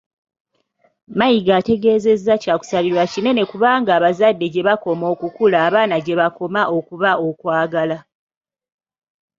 Mayiga ategeezezza kyakusaalirwa kinene kubanga abazadde gye bakoma okukula abaana gye bakoma okuba okwagala.